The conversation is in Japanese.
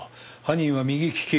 犯人は右利き。